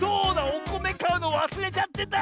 おこめかうのわすれちゃってた！